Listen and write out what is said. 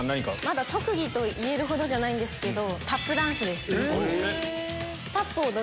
まだ特技と言えるほどじゃないんですけど。